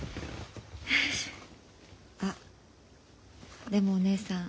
あっでもお義姉さん